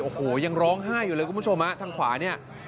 โอ้โหยังร้องไห้อยู่เลยคุณผู้ชมฮะทางขวาเนี่ย